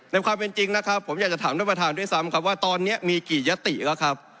ในความเป็นจริงนะครับผมอยากจะถามท่านประธานด้วยซ้ำครับว่าตอนนี้มีกี่ยติแล้วครับ